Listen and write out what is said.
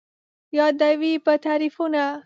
یادوې به تعريفونه